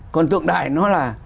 còn tượng đài nó là